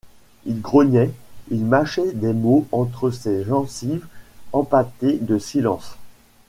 Il grognait, il mâchait des mots entre ses gencives empâtées de silence.